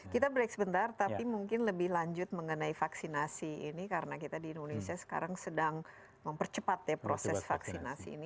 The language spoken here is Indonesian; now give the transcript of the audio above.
kita break sebentar tapi mungkin lebih lanjut mengenai vaksinasi ini karena kita di indonesia sekarang sedang mempercepat ya proses vaksinasi ini